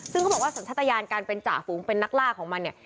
ซึ่งเขาบอกว่าสัญชาติยานการเป็นจ่าฝูงเป็นนักล่าของมันเนี่ย